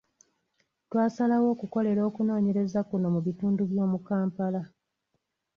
Twasalawo okukolera okunoonyereza kuno mu bitundu eby’omu Kampala.